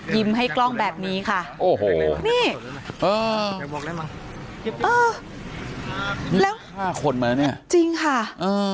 ให้กล้องแบบนี้ค่ะโอ้โหนี่เออแล้วฆ่าคนไหมเนี่ยจริงค่ะเออ